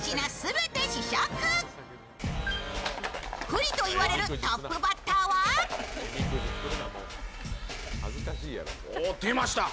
不利といわれるトップバッターは出ました